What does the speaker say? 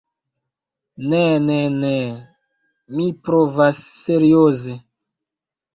Ne, ne, ne... mi provas serioze...